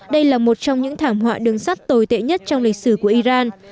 đây là một trong những thảm họa đường sắt tồi tệ nhất trong lịch sử của iran